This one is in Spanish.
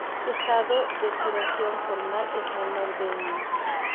Su estado de oxidación formal es menor de uno.